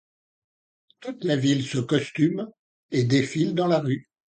Toute la ville se costume et défile dans la rue.